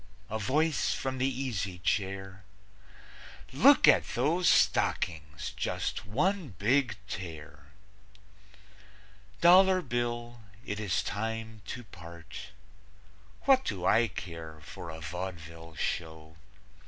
A voice from the easy chair: "Look at those stockings! Just one big tear!") Dollar Bill, it is time to part. What do I care for a vaudeville show?